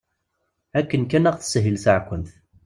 Akken kan ad aɣ-teshil teɛkemt.